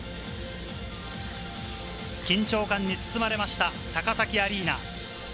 緊張感に包まれました、高崎アリーナ。